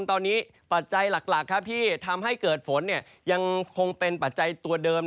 ตอนนี้ปัจจัยหลักที่ทำให้เกิดฝนยังคงเป็นปัจจัยตัวเดิม